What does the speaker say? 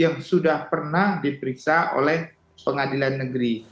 yang sudah pernah diperiksa oleh pengadilan negeri